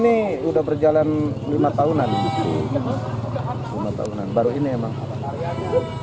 sebetulnya ini sudah berjalan lima tahunan baru ini emang